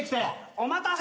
「お待たせ」